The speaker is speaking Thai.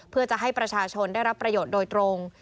เพื่อจะให้ประชาชนได้รับประโยชน์โดยตรง